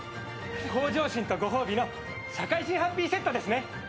向上心とご褒美の社会人ハッピーセットですね。